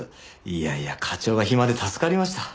いやいや課長が暇で助かりました。